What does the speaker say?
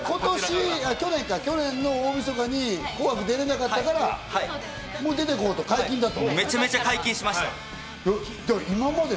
去年か、去年の大みそかに『紅白』に出られなかったから、もう出てこうと、解禁だと。